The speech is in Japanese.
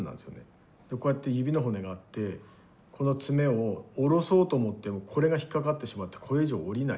こうやって指の骨があってこの爪を下ろそうと思ってもこれが引っ掛かってしまってこれ以上下りない。